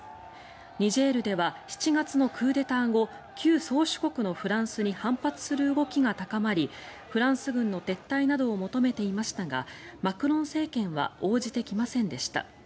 ニジェールでは７月のクーデター後旧宗主国のフランスに反発する動きが高まりフランス軍の撤退などを求めていましたがマクロン政権は応じてきませんでした。